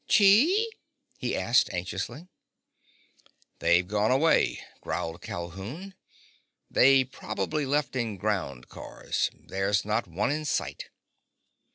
"Chee?" he asked anxiously. "They've gone away," growled Calhoun. "They probably left in ground cars. There's not one in sight."